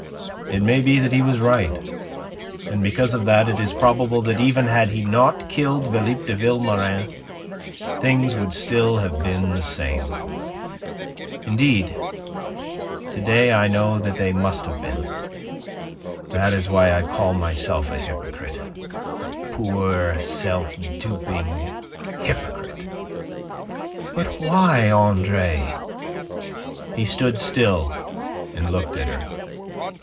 It may be that he was right, and because of that it is probable that even had he not killed Philippe de Vilmorin, things would still have been the same. Indeed, to day I know that they must have been. That is why I call myself a hypocrite, a poor, self duping hypocrite." "But why, Andre?" He stood still and looked at her.